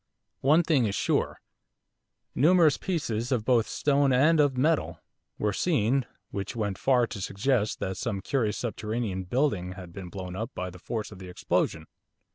One thing is sure. Numerous pieces, both of stone and of metal, were seen, which went far to suggest that some curious subterranean building had been blown up by the force of the explosion.